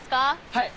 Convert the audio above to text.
はい。